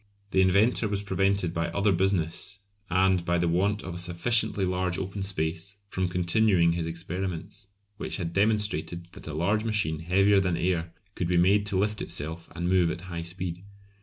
The inventor was prevented by other business, and by the want of a sufficiently large open space, from continuing his experiments, which had demonstrated that a large machine heavier than air could be made to lift itself and move at high speed.